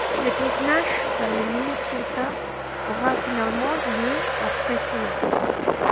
Le tournage dans le Minnesota aura finalement lieu après cela.